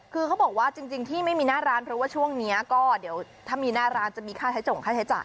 คือเขาบอกว่าจริงที่ไม่มีหน้าร้านเพราะว่าช่วงนี้ก็เดี๋ยวถ้ามีหน้าร้านจะมีค่าใช้จงค่าใช้จ่าย